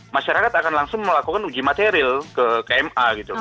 masyarakat akan langsung melakukan uji material ke kma gitu